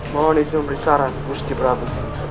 mohon izin berisaran gusti prabu